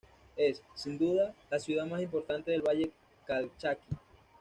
Es, sin duda, la ciudad más importante del Valle Calchaquí.